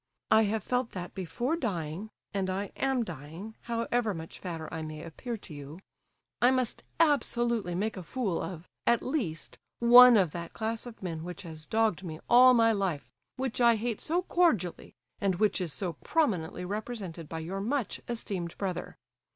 I have felt that before dying (and I am dying, however much fatter I may appear to you), I must absolutely make a fool of, at least, one of that class of men which has dogged me all my life, which I hate so cordially, and which is so prominently represented by your much esteemed brother.